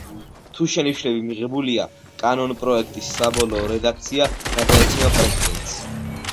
თუ შენიშვნები მიღებულია, კანონპროექტის საბოლოო რედაქცია გადაეცემა პრეზიდენტს